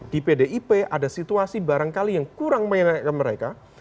di pdip ada situasi barangkali yang kurang menyenangkan mereka